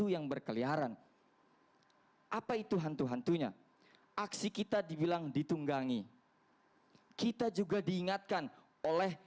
yang berkeliaran apa itu hantu hantunya aksi kita dibilang ditunggangi kita juga diingatkan oleh